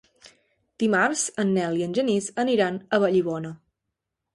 Dimarts en Nel i en Genís aniran a Vallibona.